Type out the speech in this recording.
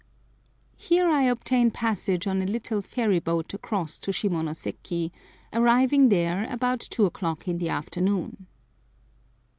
Here I obtain passage on a little ferry boat across to Shimonoseki, arriving there about two o'clock in the afternoon.